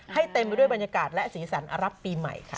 เต็มไปด้วยบรรยากาศและสีสันรับปีใหม่ค่ะ